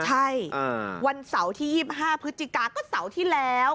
ใช่วันเสาร์ที่๒๕พฤศจิกาก็เสาร์ที่แล้ว